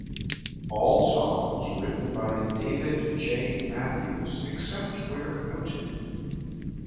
All songs written by David J. Matthews except where noted.